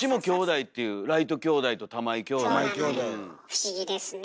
不思議ですね。